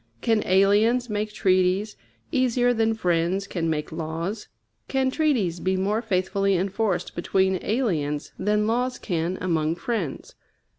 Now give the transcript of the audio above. Can aliens make treaties easier than friends can make laws? Can treaties be more faithfully enforced between aliens than laws can among friends?